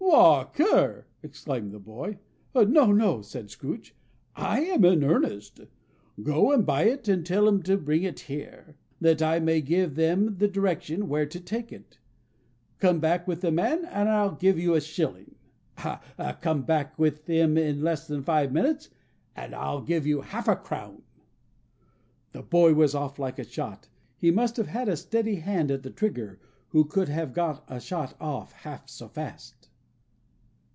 "WALK ER!" exclaimed the boy. "No, no," said Scrooge, "I am in earnest. Go and buy it and tell 'em to bring it here, that I may give them the direction where to take it. Come back with the man, and I'll give you a shilling. Come back with him in less than five minutes, and I'll give you half a crown!" The boy was off like a shot. He must have had a steady hand at the trigger who could have got a shot off half so fast.